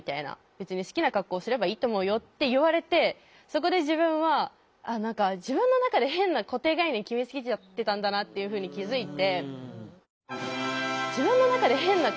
「別に好きな格好すればいいと思うよ」って言われてそこで自分は「自分のなかで変な固定概念決めつけちゃってたんだな」っていうふうに気付いて。